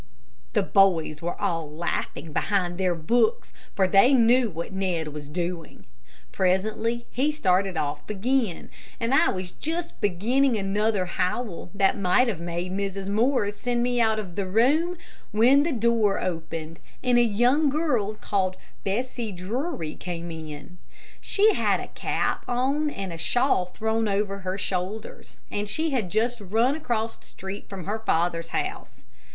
The boys were all laughing behind their books, for they knew what Ned was doing. Presently he started off again, and I was just beginning another howl that might have made Mrs. Morris send me out of the room, when the door opened, and a young girl called Bessie Drury came in. She had a cap on and a shawl thrown over her shoulders, and she had just run across the street from her father's house.